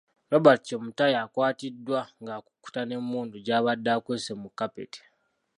Robert Chemutai akwatiddwa ng'akukuta n'emmundu gy'abadde akwese mu kapeti.